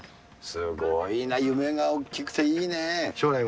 すごいな、夢が大きくていいね。